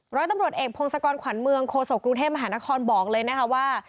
ร้อยตำรวจเอกพงศกรขวัญเมืองโคศกกรุงเทพมหานครบอกเลยนะคะว่า